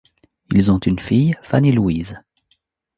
Ils ont une fille Fanny Louise.